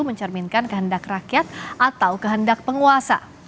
mencerminkan kehendak rakyat atau kehendak penguasa